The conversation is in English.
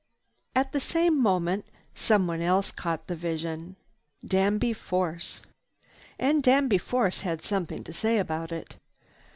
At the same moment someone else caught the vision, Danby Force. And Danby Force had something to say about it.